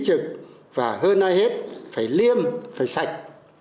đơn ai hết phải liêm phải sạch